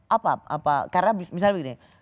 apa karena misalnya begini